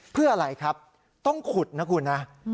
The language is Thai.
เพื่ออะไรครับต้องขุดนะคุณนะ